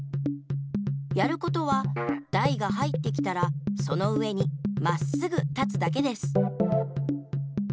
やることは台が入ってきたらその上にまっすぐ立つだけです。